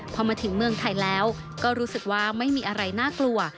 พอมาถึงเมืองไทยแล้วก็รู้สึกว่าไม่มีอะไรน่ากลัว